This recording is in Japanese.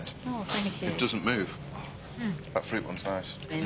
はい。